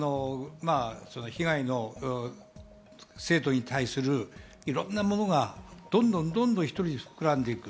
相手の生徒に対するいろんなものがどんどん膨らんでゆく。